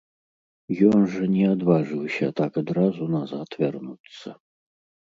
Ён жа не адважыўся так адразу назад вярнуцца.